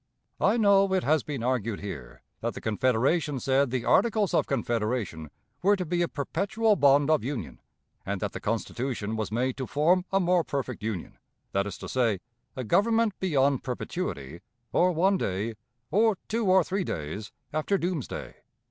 I know it has been argued here that the Confederation said the Articles of Confederation were to be a perpetual bond of union, and that the Constitution was made to form a more perfect union; that is to say, a Government beyond perpetuity, or one day, or two or three days, after doomsday.